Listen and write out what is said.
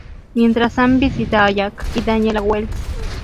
Mientras, Sam visita a Jack y Daniel a Wells.